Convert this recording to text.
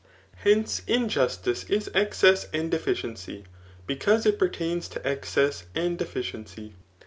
Hence^ Injustice is excess and d^ciency, because it pertains to excess and deficiency.